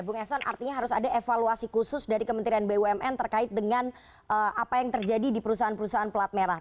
bung eson artinya harus ada evaluasi khusus dari kementerian bumn terkait dengan apa yang terjadi di perusahaan perusahaan pelat merah